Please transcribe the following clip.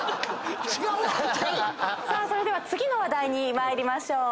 さあそれでは次の話題に参りましょう。